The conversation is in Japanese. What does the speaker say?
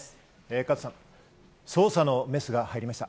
加藤さん、捜査のメスが入りました。